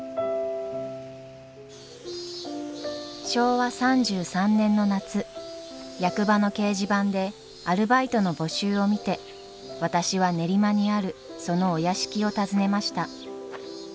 昭和３３年の夏役場の掲示板でアルバイトの募集を見て私は練馬にあるそのお屋敷を訪ねました